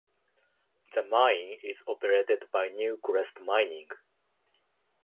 The mine is operated by Newcrest Mining.